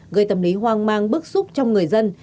gây tâm lý hoang mang bức xúc trong người dân